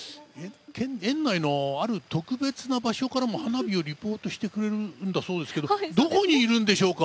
園内の、ある特別な場所からも花火をリポートしてくれるんですがどこにいるんでしょうか？